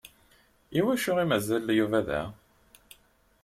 Iwacu i d-mazal Yuba da?